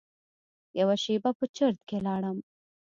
یوه شېبه په چرت کې لاړم.